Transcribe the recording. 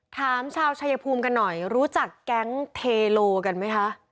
ชาวชายภูมิกันหน่อยรู้จักแก๊งเทโลกันไหมคะ